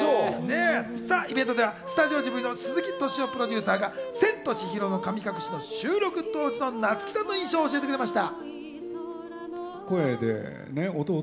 イベントではスタジオジブリの鈴木敏夫プロデューサーが『千と千尋の神隠し』の収録当時の夏木さんの印象を教えてくれました。